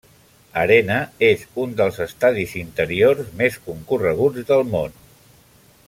Arena és un dels estadis interiors més concorreguts del món.